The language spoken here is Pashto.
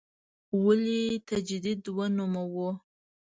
ولې تجدید ونوموو.